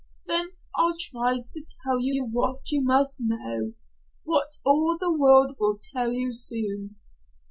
Then I'll try to tell you what you must know what all the world will tell you soon."